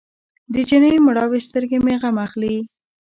د جینۍ مړاوې سترګې مې غم اخلي.